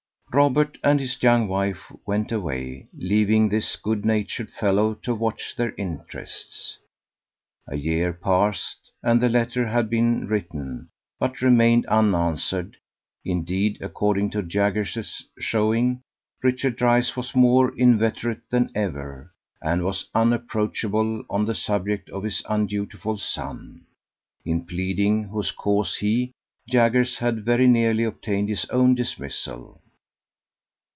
Robert and his young wife went away, leaving this good natured fellow to watch their interests. A year passed, and the letter had been written, but remained unanswered; indeed, according to Jaggers's showing, Richard Dryce was more inveterate than ever, and was unapproachable on the subject of his undutiful son, in pleading whose cause he, Jaggers, had very nearly obtained his own dismissal.